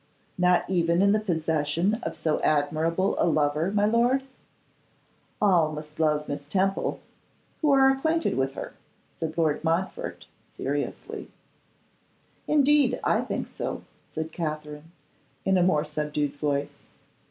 'Not even in the possession of so admirable a lover, my lord?' 'All must love Miss Temple who are acquainted with her,' said Lord Montfort, seriously. 'Indeed, I think so,' said Katherine, in a more subdued voice.